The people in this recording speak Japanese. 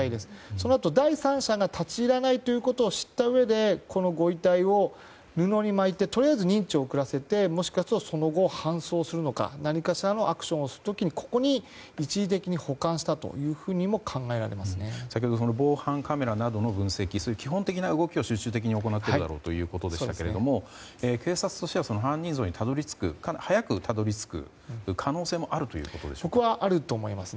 そのあと、第三者が立ち入らないことを知ったうえでこのご遺体を布に巻いてとりあえず認知を遅らせてもしかするとその後搬送するか何かしらのアクションをするためにここに一時的に保管したというふうにも先ほど防犯カメラなどの分析など基本的な操作を集中的に行っているだろうということでしたが警察としては犯人像に早くたどり着く可能性もここはあると思います。